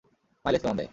Mileage কেমন দেয়?